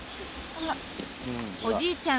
おじいちゃん